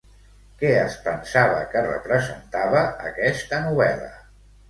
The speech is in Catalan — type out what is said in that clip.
Què es pensava que representava aquesta novel·la?